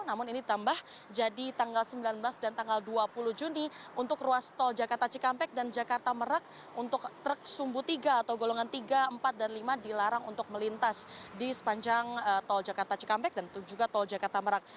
namun ini ditambah jadi tanggal sembilan belas dan tanggal dua puluh juni untuk ruas tol jakarta cikampek dan jakarta merak untuk truk sumbu tiga atau golongan tiga empat dan lima dilarang untuk melintas di sepanjang tol jakarta cikampek dan juga tol jakarta merak